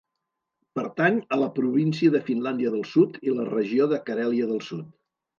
Pertany a la província de Finlàndia del Sud i la regió de Carèlia del Sud.